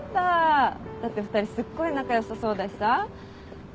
だって２人すっごい仲良さそうだしさ。